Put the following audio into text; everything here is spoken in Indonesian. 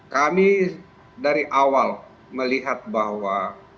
kami dari awal melihat bahwa